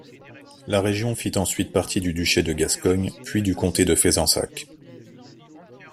La région fit ensuite partie du duché de Gascogne, puis du comté de Fezensac.